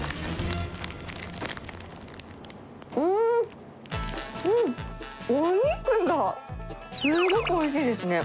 うーん、お肉がすごくおいしいですね。